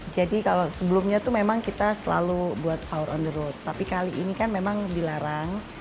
jadi kalau sebelumnya tuh memang kita selalu buat sahur on the road tapi kali ini kan memang dilarang